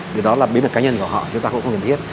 điều đó là bí mật cá nhân của họ chúng ta cũng không cần thiết